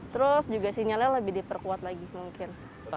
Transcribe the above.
terus juga sinyalnya lebih diperkuat lagi mungkin